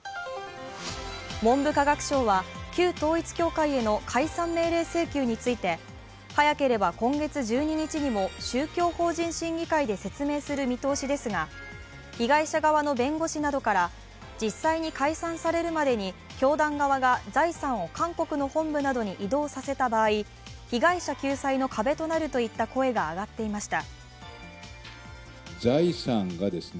文部科学省は旧統一教会への解散命令請求について早ければ今月１２日にも宗教法人審議会で説明する見通しですが、被害者側の弁護士などから実際に解散されるまでに教団側が財産を韓国の本部などに移動させた場合被害者救済の壁となるといった声が上がっていました。